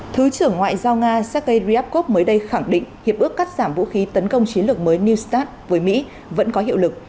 thứ trưởng ngoại giao nga sergei ryabkov mới đây khẳng định hiệp ước cắt giảm vũ khí tấn công chiến lược mới new start với mỹ vẫn có hiệu lực